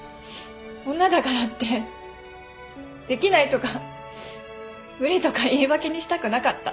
女だからってできないとか無理とか言い訳にしたくなかった。